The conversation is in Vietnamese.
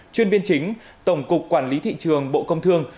chuyên viên chính tổng cục quản lý thị trường bộ công thương